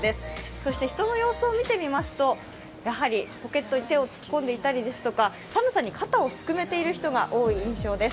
そして人の様子を見てみますとやはりポケットに手を突っ込んでいたりとか寒さに肩をすくめている人が多い印象です。